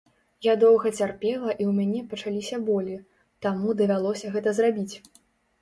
Я доўга цярпела і ў мяне пачаліся болі, таму давялося гэта зрабіць.